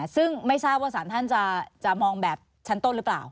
ซึ่งไม่ทราบว่าสารท่านจะมองแบบชั้นต้นหรือเปล่า